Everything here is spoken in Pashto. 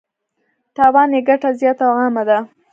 تاوان یې ګټه زیاته او عامه ده.